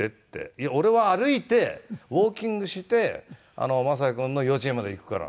「いや俺は歩いてウォーキングして雅也君の幼稚園まで行くから」